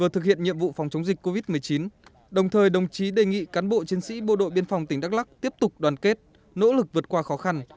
thì cán bộ chiến sĩ bộ đội biên phòng tỉnh đắk lắc tiếp tục đoàn kết nỗ lực vượt qua khó khăn